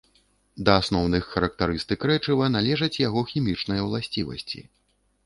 Да асноўных характарыстык рэчыва належаць яго хімічныя ўласцівасці.